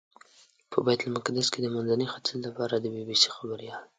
په بیت المقدس کې د منځني ختیځ لپاره د بي بي سي خبریال.